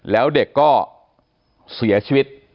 แล้วเด็กก็เสียชีวิต